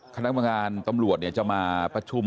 คณะกำลังงานตำรวจจะมาประชุม